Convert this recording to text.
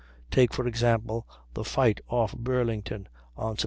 Take, for example, the fight off Burlington on Sept.